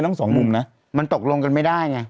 เหมือนตกลงกินไม่ได้ไง